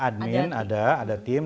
admin ada ada tim